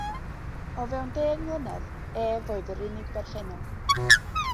O fewn deng mlynedd, ef oedd yr unig berchennog.